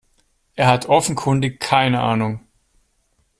Er hat offenkundig keine Ahnung.